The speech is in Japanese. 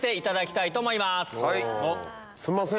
すんません。